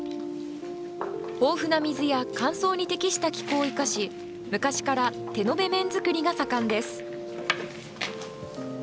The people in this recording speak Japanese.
豊富な水や乾燥に適した気候を生かし、昔から手延べ麺作りが盛んです。